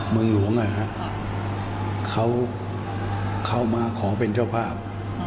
เมืองหลวงเขาเข้ามาขอเป็นเจ้าภาพ